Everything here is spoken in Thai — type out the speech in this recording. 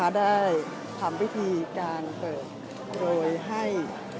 ได้ทำพิธีการเปิดโดยให้